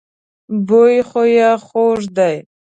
بوی خو يې خوږ دی.